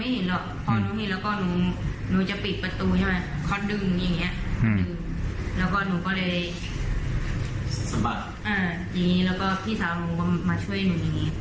พี่สาวหนูก็มาช่วยหนู